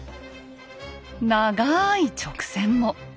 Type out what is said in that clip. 長い直線も。